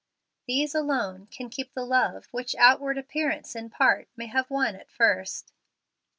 These alone can keep the love which outward appearance in part may have won at first.